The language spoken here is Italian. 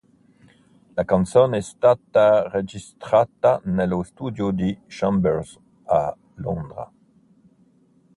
La canzone è stata registrata nello studio di Chambers, a Londra.